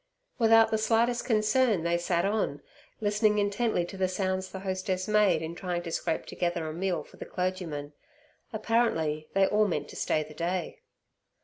Without the slightest concern they sat on, listening intently to the sounds the hostess made in trying to scrape together a meal for the clergyman. Apparently they all meant to stay the day.